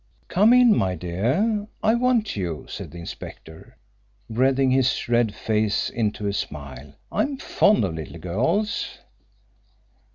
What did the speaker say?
"Come in, my dear, I want you," said the inspector, wreathing his red face into a smile. "I'm fond of little girls."